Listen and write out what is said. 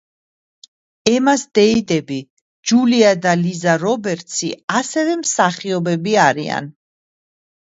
ემას დეიდები-ჯულია და ლიზა რობერტსი ასევე მსახიობები არიან.